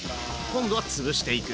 今度はつぶしていく。